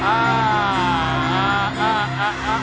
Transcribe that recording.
สาม